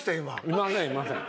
いませんいません。